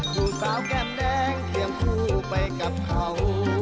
ผู้สาวแก้มแดงเคียงคู่ไปกับเขา